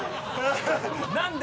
何で？